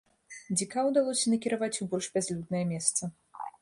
Дзіка ўдалося накіраваць у больш бязлюднае месца.